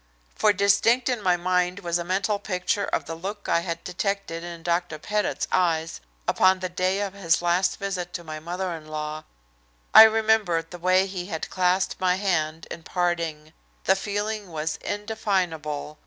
For distinct in my mind was a mental picture of the look I had detected in Dr. Pettit's eyes upon the day of his last visit to my mother in law. I remembered the way he had clasped my hand in parting. The feeling was indefinable.